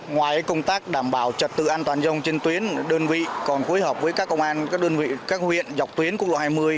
ngoài công tác đảm bảo trật tự an toàn giao thông trên tuyến đơn vị còn phối hợp với các công an các đơn vị các huyện dọc tuyến quốc lộ hai mươi